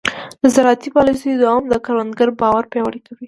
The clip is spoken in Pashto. د زراعتي پالیسیو دوام د کروندګر باور پیاوړی کوي.